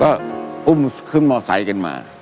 ก็อุ้มเครื่องมอเตอร์ไซส์กันมา